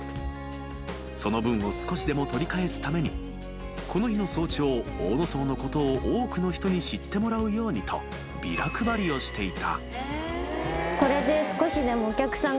［その分を少しでも取り返すためにこの日の早朝大野荘のことを多くの人に知ってもらうようにとビラ配りをしていた］